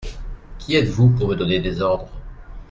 Qui êtes-vous pour me donner des ordres ?